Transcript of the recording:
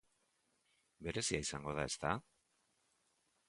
Berezia izango da, ezta?